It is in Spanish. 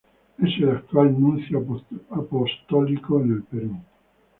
Es el actual nuncio apostólico en el Perú.